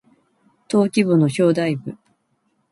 登記簿の表題部